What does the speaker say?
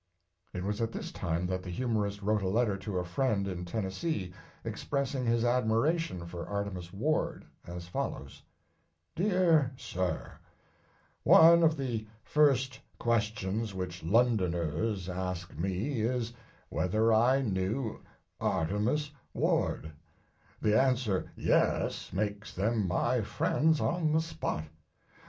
It was at this time that the humorist wrote a letter to a friend in Tennessee, expressing his admiration for Artemus Ward, as follows: "DEAR SIR: One of the first questions which Londoners ask me is whether I knew Artemus Ward; the answer yes/ makes them my friends on the spot.